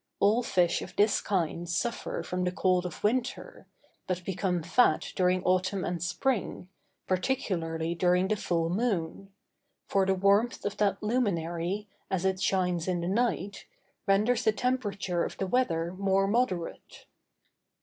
All fish of this kind suffer from the cold of winter, but become fat during autumn and spring, particularly during the full moon; for the warmth of that luminary, as it shines in the night, renders the temperature of the weather more moderate.